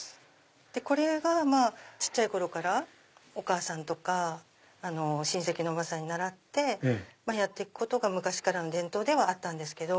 これが小っちゃい頃からお母さんとか親戚のおばさんに習ってやって行くことが昔からの伝統ではあったんです。